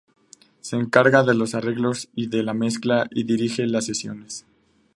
Se encarga de los arreglos y de la mezcla y dirige las sesiones.